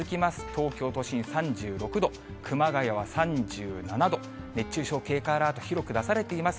東京都心３６度、熊谷は３７度、熱中症警戒アラート、広く出されています。